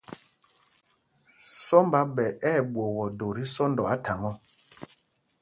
Sɔmb a ɓɛ ɛ̂ ɓwok ódō tí sɔ́ndɔ á thaŋ ɔ.